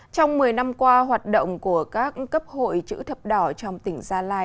trong một mươi năm qua hoạt động của các cấp hội chữ thập đỏ trong tỉnh gia lai